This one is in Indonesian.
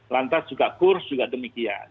lantas juga kurs juga demikian